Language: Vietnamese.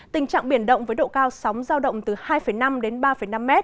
tình trạng biển động với độ cao sóng giao động từ hai năm đến ba năm m